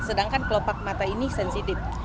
sedangkan kelopak mata ini sensitif